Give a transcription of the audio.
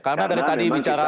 karena dari tadi bicara